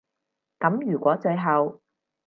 噉如果最後